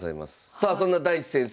さあそんな大地先生